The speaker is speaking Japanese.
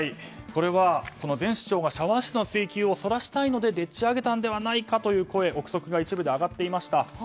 これは前市長がシャワー室の追及をそらしたいのででっち上げたのではないかとの声憶測が一部で上がっていました。